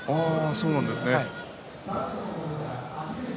そうなんですね。